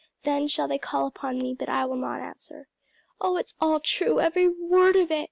Then shall they call upon me, but I will not answer.' Oh it's all true, every word of it!"